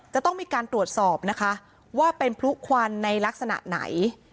จะต้องมีการตรวจสอบนะคะว่าเป็นพลุควันในลักษณะไหน